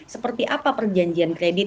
seperti apa perjanjian kredit